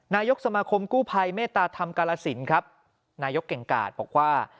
นายกสมาคมกู้ภัยเมตตาธรรมกาลสินครับนายกเก่งกาดบอกว่า